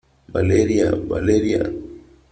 Valeria . Valeria .